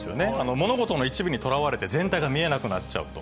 物事の一部にとらわれて全体が見えなくなっちゃうと。